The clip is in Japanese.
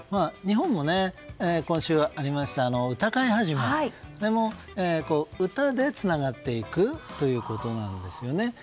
日本も今週、ありました歌会始でも歌でつながっていくということなんですよね。